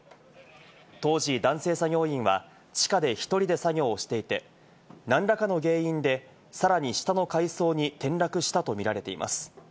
当時、男性作業員は地下で１人で作業をしていて、何らかの原因でさらに下の階層に転落したと見られています。